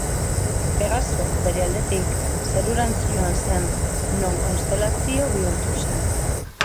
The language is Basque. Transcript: Pegaso, bere aldetik, zerurantz joan zen, non konstelazio bihurtu zen.